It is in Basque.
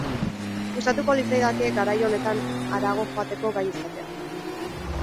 Gustatuko litzaidake garai honetan harago joateko gai izatea.